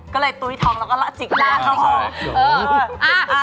ก็เลยปุ๊ยทองแล้วก็ละจิ๊กหน้าเขา